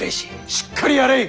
しっかりやれい！